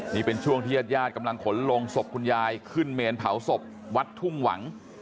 นี่เป็นช่วงที่ญาติญาติกำลังขนลงศพคุณยายขึ้นเมนเผาศพวัดทุ่งหวัง